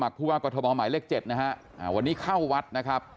ก็ข้อมันหมายเลข๗วันนี้เข้าวัดนะครับ